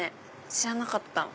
知らなかった。